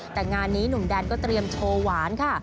แต่งานนี้หนุ่มแดนก็เตรียมโชว์หวานค่ะ